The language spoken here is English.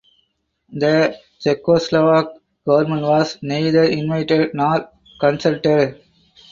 The Czechoslovak government was neither invited nor consulted.